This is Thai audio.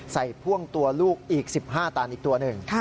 พ่วงตัวลูกอีก๑๕ตันอีกตัวหนึ่ง